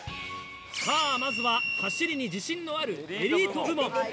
さあ、まずは走りに自信のあるエリート部門。